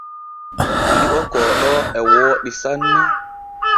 Li’o kooɗo e wooɗi sanne.